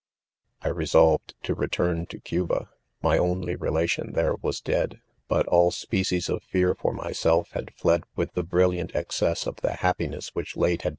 '■I' resolved' to return to : €aba j my only re ' latum' there, was dead j but all sgecies of "fear for myself had fed with the brilliant ;exce : ss of th e happin ess which ' late :: had?